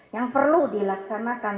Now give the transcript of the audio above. yang perlu dilaksanakan